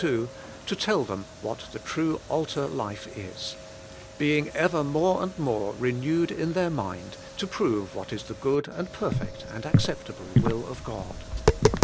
2) to tell them what the true altar life is: being ever more and more 'renewed in their mind to prove what is the good and perfect and acceptable will of God.'